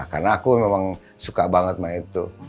karena aku memang suka banget main itu